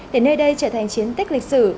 để nơi đây trở thành chiến tích lịch sử